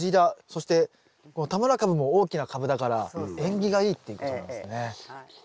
そしてこの田村かぶも大きなカブだから縁起がいいっていうことなんですね。